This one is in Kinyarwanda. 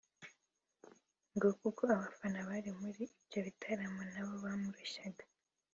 ngo kuko abafana bari muri ibyo bitaramo nabo bamurushyaga